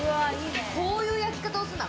こういう焼き方をするんだ。